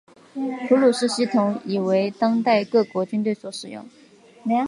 普鲁士系统已为当代各国军队所使用。